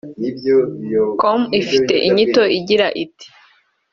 com ifite inyito igira iti